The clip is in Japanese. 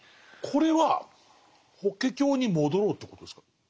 これは「法華経」に戻ろうっていうことですか？